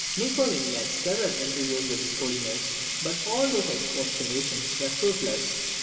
Niccolini had several interviews with his Holiness; but all his expostulations were fruitless.